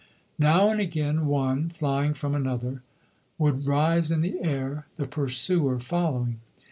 Now and again one, flying from another, would rise in the air, the pursuer following.